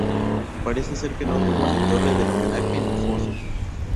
Parece ser que no tuvo ni torre del homenaje ni foso.